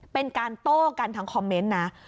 เป็นการโต้กันทางคอมเมนต์นะ